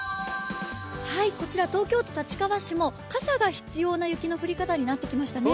こちら東京都立川市も傘が必要な雪の降り方になってきましたね。